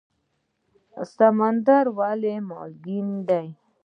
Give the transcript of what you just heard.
سمندر ولې مالګین دی؟